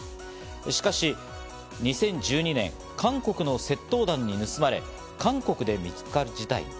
しかし２０１２年、韓国の窃盗団に盗まれ、韓国で見つかる事態に。